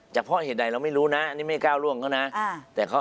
เพราะเหตุใดเราไม่รู้นะอันนี้ไม่ก้าวล่วงเขานะ